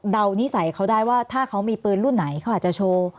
นิสัยเขาได้ว่าถ้าเขามีปืนรุ่นไหนเขาอาจจะโชว์